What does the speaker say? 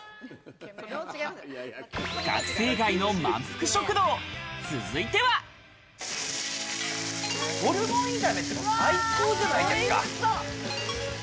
学生街のまんぷく食堂、ホルモン炒めって最高じゃないですか。